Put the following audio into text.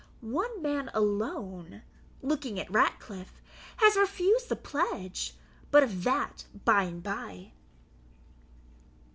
One man alone" (looking at Ratcliffe) "has refused the pledge; but of that by and by."